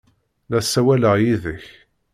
La ssawaleɣ yid-k!